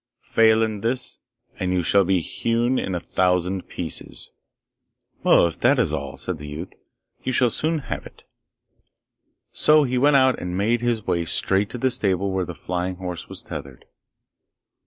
Fail in this, and you shall be hewn in a thousand pieces.' 'If that is all,' said the youth, 'you shall soon have it.' So he went out and made his way straight to the stable where the flying horse was tethered.